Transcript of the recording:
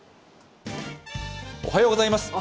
おはようございます。